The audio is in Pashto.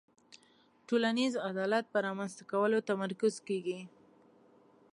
ټولنیز عدالت په رامنځته کولو تمرکز کیږي.